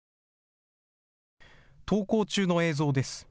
登校中の映像です。